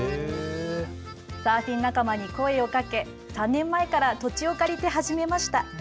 サーフィン仲間に声をかけ３年前から土地を借りて始めました。